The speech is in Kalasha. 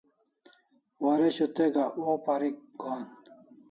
Waresho te gak waw parik gohan